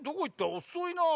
おそいなぁ。